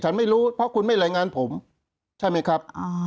ไม่รู้เพราะคุณไม่รายงานผมใช่ไหมครับ